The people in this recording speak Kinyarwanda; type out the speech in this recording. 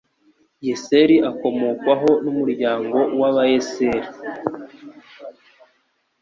yeseri akomokwaho n umuryango w abayeseri